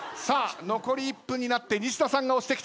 残り１分になって西田さんが押してきた。